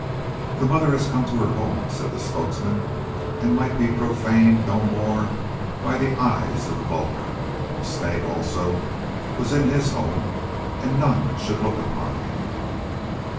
"The Mother had come to her home," said the spokesman, "and might be profaned no more by the eyes of the vulgar. The Snake also was in his home, and none should look upon him."